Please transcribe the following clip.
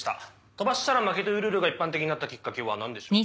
飛ばしたら負けというルールが一般的になったきっかけは何でしょう？